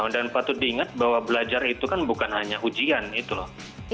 dan patut diingat bahwa belajar itu kan bukan hanya ujian itu loh